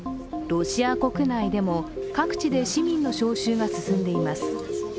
ロシア国内でも、各地で市民の招集が進んでいます。